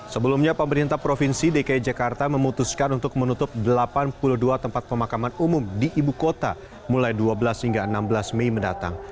sebelumnya pemerintah provinsi dki jakarta memutuskan untuk menutup delapan puluh dua tempat pemakaman umum di ibu kota mulai dua belas hingga enam belas mei mendatang